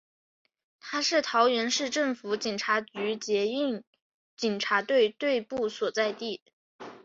也是桃园市政府警察局捷运警察队队部所在地。